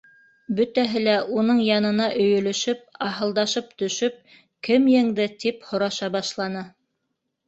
Бөтәһе лә уның янына өйөлөшөп, аһылдашып төшөп: —Кем еңде? —тип һораша башланы.